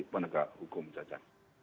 penegak hukum caca